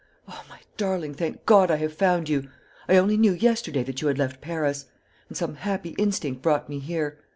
O, my darling, thank God I have found you! I only knew yesterday that you had left Paris; and some happy instinct brought me here.